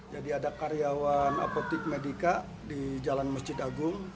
jadi ada karyawan apotik medika di jalan masjid agung